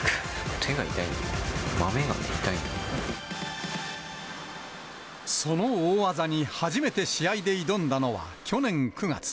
手が痛いんだけど、その大技に、初めて試合で挑んだのは、去年９月。